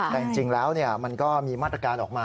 แต่จริงแล้วมันก็มีมาตรการออกมา